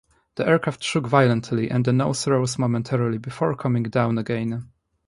The aircraft shook violently and the nose rose momentarily before coming down again.